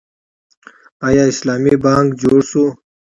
آیا اسلامي بانک جوړ شو؟